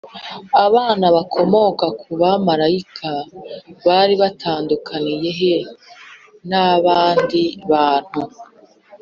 Abana bakomotse ku bamarayika bari batandukaniye he n abandi bantu